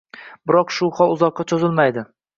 Biroq bu hol uzoqqa cho‘zilmaydi.